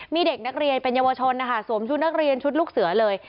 มีเด็กนักเรียนเป็นเยาวชนนะคะสวมชุดนักเรียนชุดลูกเสือเลย